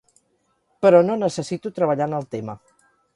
Però no necessito treballar en el tema.